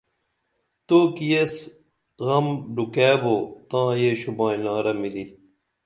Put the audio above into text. تو کی ایس غم ڈُکعہ بو تاں یہ شوبائنارہ ملی